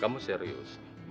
kamu serius nih